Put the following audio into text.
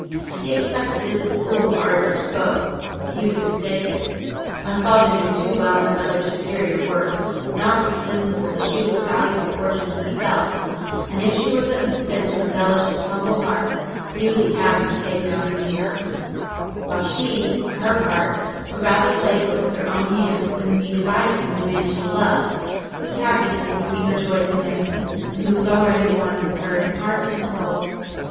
He expected this would cool the ardour of both; but he was mistaken. My father knew too well my mother's superior worth not to be sensible that she was a valuable fortune in herself: and if she would but consent to embellish his humble hearth he should be happy to take her on any terms; while she, on her part, would rather labour with her own hands than be divided from the man she loved, whose happiness it would be her joy to make, and who was already one with her in heart and soul.